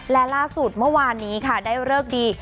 และล่าสุดเมื่อวานนี้ค่ะได้เลิกดี